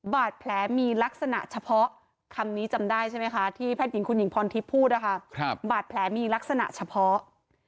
บาดแผลมีลักษณะเฉพาะคำนี้จำได้ใช่ไหมคะที่แพทย์หญิงคุณหญิงพรทิพย์พูดนะคะบาดแผลมีลักษณะเฉพาะ